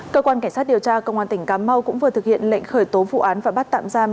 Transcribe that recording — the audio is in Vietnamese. cơ quan cảnh sát điều tra công an tỉnh cà mau cũng vừa thực hiện lệnh khởi tố vụ án và bắt tạm giam